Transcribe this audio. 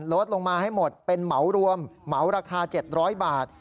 ลดลงมาให้หมดเป็นเหมารวมเหมาราคา๗๐๐บาท